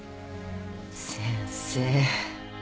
先生。